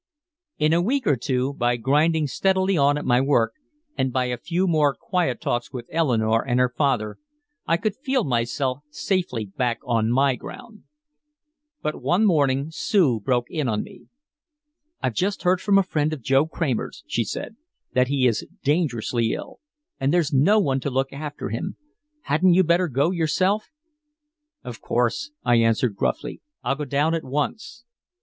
In a week or two, by grinding steadily on at my work and by a few more quiet talks with Eleanore and her father, I could feel myself safely back on my ground. But one morning Sue broke in on me. "I've just heard from a friend of Joe Kramer's," she said, "that he is dangerously ill. And there's no one to look after him. Hadn't you better go yourself?" "Of course," I assented gruffly. "I'll go down at once."